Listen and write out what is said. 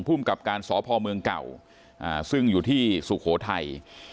ภูมิกับการสพเมืองเก่าซึ่งอยู่ที่สุโขทัย